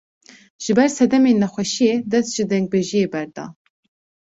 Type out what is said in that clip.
Ji ber sedemên nexweşiyê, dest ji dengbêjiyê berda